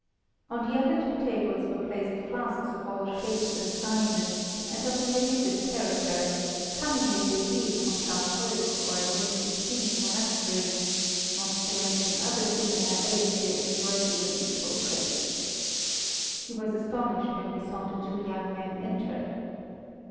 On the other two tables were placed flasks of all shapes and sizes, and of a religious character, coming as they did from Chartreuse or Benedictine monasteries, not to mention other similar elixirs worthy of equal praise. He was astonished when he saw the two young men enter.